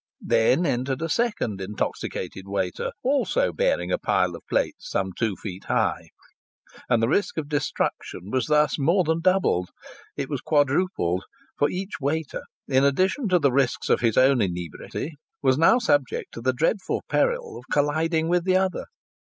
Then entered a second intoxicated waiter, also bearing a pile of plates some two feet high, and the risk of destruction was thus more than doubled it was quadrupled, for each waiter, in addition to the risks of his own inebriety, was now subject to the dreadful peril of colliding with the other.